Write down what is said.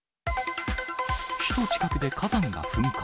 首都近くで火山が噴火。